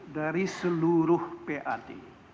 dari seluruh pad